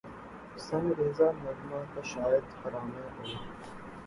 ز سنگ ریزہ نغمہ کشاید خرامِ او